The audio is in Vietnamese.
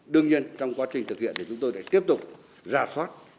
đương nhiên trong quá trình thực hiện thì chúng tôi lại tiếp tục ra soát